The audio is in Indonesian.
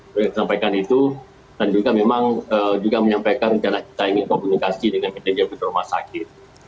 saya sampaikan itu dan juga memang juga menyampaikan cara kita ingin komunikasi dengan media media rumah sakit